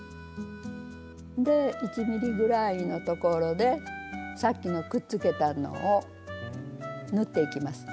で１ｍｍぐらいのところでさっきのくっつけたのを縫っていきます。